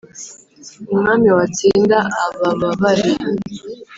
Umwami watsinda abababare